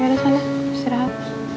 yaudah sana istirahat